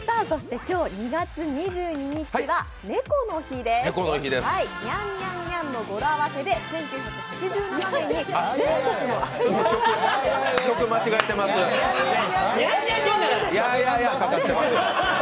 そして今日２月２２日は猫の日です。